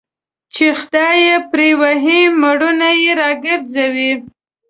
چي خداى يې پري وهي مړونه يې راگرځوي